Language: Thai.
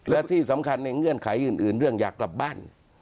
และที่สำคัญในเงื่อนไขอื่นเรื่องอยากกลับบ้าน